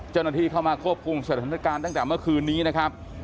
เจ้าหน้าที่เข้ามาควบคุมสถานการณ์ตั้งแต่เมื่อคืนนี้นะครับ